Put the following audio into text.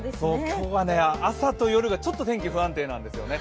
今日は朝と夜が天気、不安定なんですよね。